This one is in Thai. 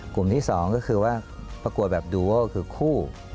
กลุ่มที่๒ก็คือว่าประกวดแบบดูโอคือคู่